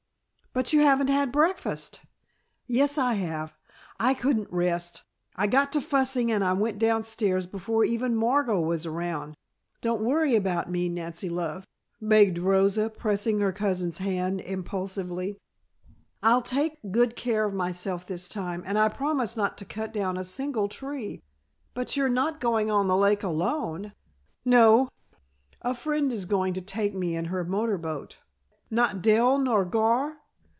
"But you haven't had breakfast " "Yes, I have. I couldn't rest. I got to fussing and I went downstairs before even Margot was around. Don't worry about me, Nancy love," begged Rosa, pressing her cousin's hand impulsively. "I'll take good care of myself this time, and I promise not to cut down a single tree." "But you are not going on the lake alone?" "No; a friend is going to take me in her motor boat." "Not Dell, nor Gar?"